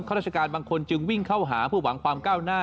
ราชการบางคนจึงวิ่งเข้าหาเพื่อหวังความก้าวหน้า